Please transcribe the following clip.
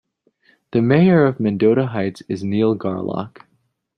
The mayor of Mendota Heights is Neil Garlock.